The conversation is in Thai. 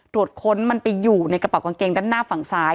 ตรวจค้นมันไปอยู่ในกระเป๋ากางเกงด้านหน้าฝั่งซ้าย